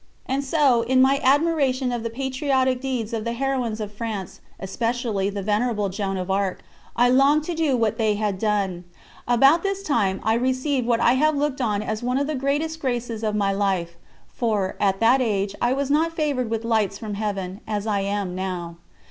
And so, in my admiration of the patriotic deeds of the heroines of France, especially of the Venerable Joan of Arc, I longed to do what they had done. About this time I received what I have looked on as one of the greatest graces of my life, for, at that age, I was not favoured with lights from Heaven, as I am now.